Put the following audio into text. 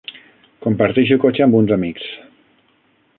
Comparteixo cotxe amb uns amics.